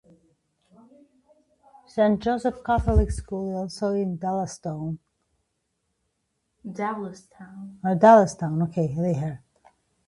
Saint Joseph's Catholic School is also in Dallastown.